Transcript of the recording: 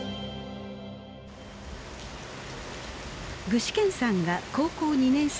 具志堅さんが高校２年生の時。